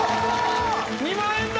２万円台！